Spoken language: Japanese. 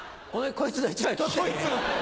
こいつの！